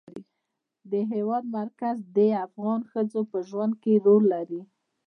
د هېواد مرکز د افغان ښځو په ژوند کې رول لري.